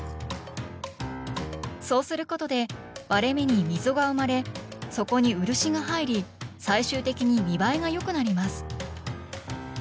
そうすることで割れ目に溝が生まれそこに漆が入り最終的に見栄えが良くなります。